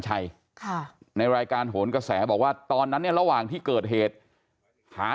ชัยค่ะในรายการโหนกระแสบอกว่าตอนนั้นเนี่ยระหว่างที่เกิดเหตุหา